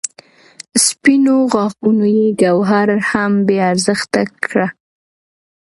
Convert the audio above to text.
سپینو غاښونو یې ګوهر هم بې ارزښته کړ.